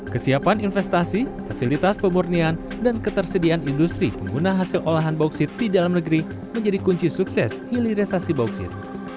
kesiapan investasi fasilitas pemurnian dan ketersediaan industri pengguna hasil olahan bauksit di dalam negeri menjadi kunci sukses hilirisasi bauksit